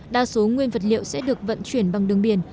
đa số nguyên vật liệu sẽ được vận chuyển bằng đường biển